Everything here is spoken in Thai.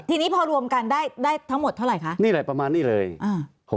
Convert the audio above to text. ทีนี้พอรวมกันได้ได้ทั้งหมดเท่าไหร่คะนี่แหละประมาณนี้เลยอ่า